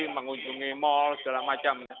mengunjungi mal segala macam